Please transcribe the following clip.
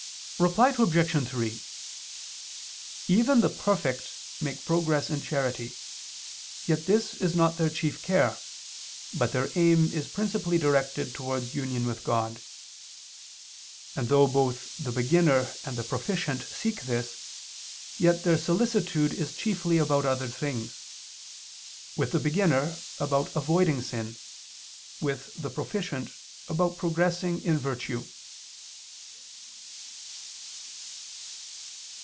Reply Obj. 3: Even the perfect make progress in charity: yet this is not their chief care, but their aim is principally directed towards union with God. And though both the beginner and the proficient seek this, yet their solicitude is chiefly about other things, with the beginner, about avoiding sin, with the proficient, about progressing in virtue.